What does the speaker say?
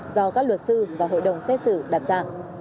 do các luật sư và hội đồng xét xử đặt ra